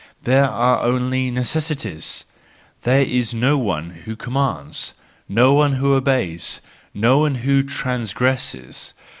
There are only necessities: there is no one who commands, no one who obeys, no one who transgresses.